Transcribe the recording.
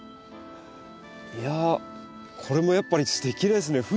いやこれもやっぱりすてきですね。